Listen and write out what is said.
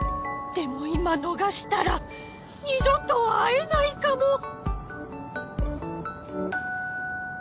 でも今逃したら二度と会えないかも！